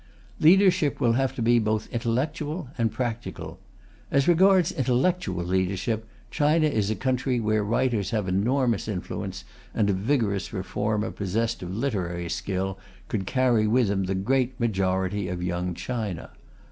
Leadership will have to be both intellectual and practical. As regards intellectual leadership, China is a country where writers have enormous influence, and a vigorous reformer possessed of literary skill could carry with him the great majority of Young China.